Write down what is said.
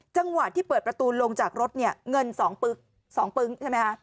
จังหวะที่เปิดประตูลงจากรถเนี่ยเงิน๒ปึ๊งใช่ไหมคะ